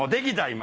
今。